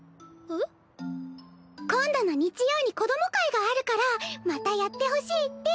えっ？今度の日曜に子供会があるからまたやってほしいって。